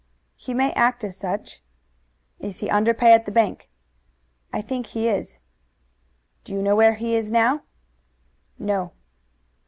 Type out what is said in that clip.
"He may act as such." "Is he under pay at the bank?" "I think he is." "Do you know where he is now?" "No."